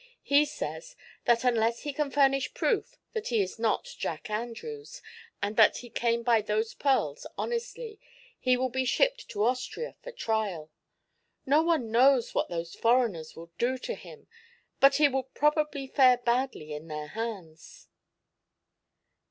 "He says that unless he can furnish proof that he is not Jack Andrews, and that he came by those pearls honestly, he will be shipped to Austria for trial. No one knows what those foreigners will do to him, but he would probably fare badly in their hands."